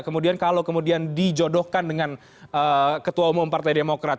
kemudian kalau kemudian dijodohkan dengan ketua umum partai demokrat